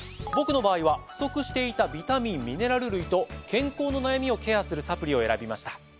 僕の場合は不足していたビタミンミネラル類と健康の悩みをケアするサプリを選びました。